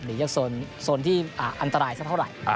หรือยังโซนที่อันตรายสักเท่าไหร่